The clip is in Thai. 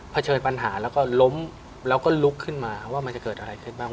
เชิดปัญหาแล้วก็ล้มแล้วก็ลุกขึ้นมาว่ามันจะเกิดอะไรขึ้นบ้าง